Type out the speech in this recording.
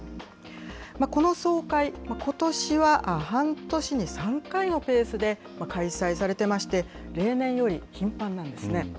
この総会、ことしは半年に３回のペースで開催されていまして、例年より頻繁なんですね。